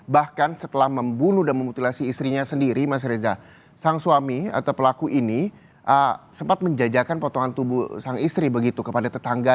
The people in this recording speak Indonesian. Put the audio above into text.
bahkan setelah membunuh dan memutilasi istrinya sendiri mas reza sang suami atau pelaku ini sempat menjajakan potongan tubuh sang istri begitu kepada tetangga